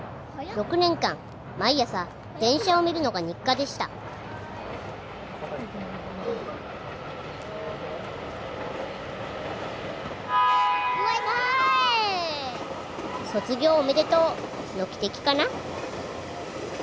６年間毎朝電車を見るのが日課でした「卒業おめでとう」の汽笛かな？